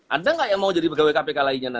ada nggak yang mau jadi pegawai kpk lainnya